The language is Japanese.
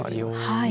はい。